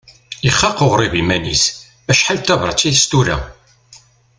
Ixaq uɣrib iman-is, acḥal d tabrat i as-tura.